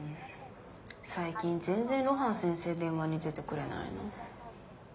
最近全然露伴先生電話に出てくれないな。